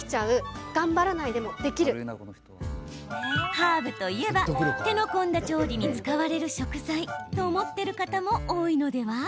ハーブといえば手の込んだ調理に使われる食材と思ってる方も多いのでは？